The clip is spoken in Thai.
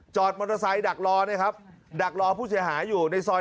มอเตอร์ไซค์ดักรอเนี่ยครับดักรอผู้เสียหายอยู่ในซอย